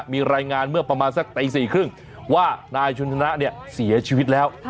มีรายงานเมื่อประมาณสักตั้ง๔ครึ่งว่านายชุนชนะเนี่ยเสียชีวิตแล้ว